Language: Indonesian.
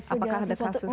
apakah ada kasus kasus